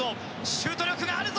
シュート力があるぞ！